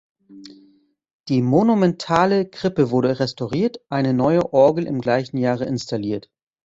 Die monumentale Krippe wurde restauriert, eine neue Orgel im gleichen Jahre installiert.